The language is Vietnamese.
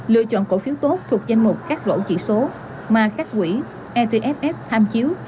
lựa chọn cổ phiếu tốt thuộc danh mục các lỗ chỉ số mà các quỹ etfs tham chiếu